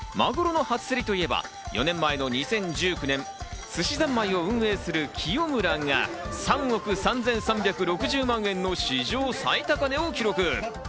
マグロの初競りといえば、４年前の２０１９年、すしざんまいを運営する喜代村が３億３３６０万円の史上最高値を記録。